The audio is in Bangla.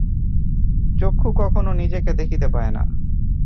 চক্ষু কখনও নিজেকে দেখিতে পায় না।